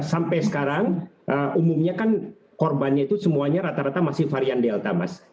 sampai sekarang umumnya kan korbannya itu semuanya rata rata masih varian delta mas